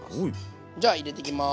じゃ入れていきます。